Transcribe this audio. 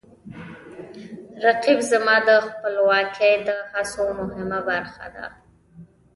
رقیب زما د خپلواکۍ د هڅو مهمه برخه ده